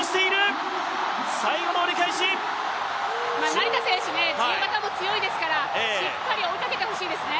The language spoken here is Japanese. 成田選手、自由形も強いですからしっかり追いかけてほしいですね。